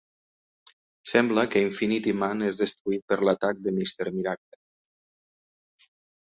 Sembla que Infinity-Man és destruït per l'atac de Mister Miracle.